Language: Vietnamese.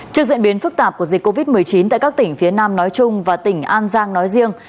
trước diễn biến phức tạp của dịch covid một mươi chín tại các tỉnh phía nam nói chung và tỉnh an giang nói riêng